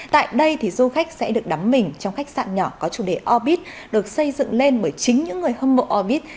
tại đây thì du khách sẽ được đắm mình trong khách sạn nhỏ có chủ đề obit được xây dựng lên bởi chính những người hâm mộ abit